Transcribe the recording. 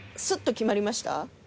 スッと決まりました？